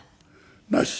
なし。